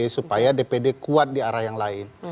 supaya dpd kuat di arah yang lain